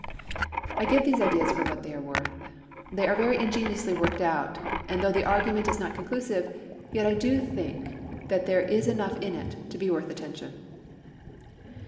I give these ideas for what they are worth; they are very ingeniously worked out, and though the argument is not conclusive, yet I do think that there is enough in it to be worth attention.